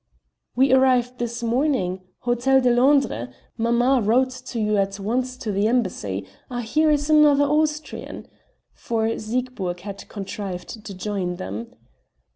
"We arrived this morning Hotel de Londres mamma wrote to you at once to the embassy ... Ah, here is another Austrian!" for Siegburg had contrived to join them.